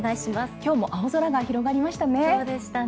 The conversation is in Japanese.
今日も青空が広がりましたね。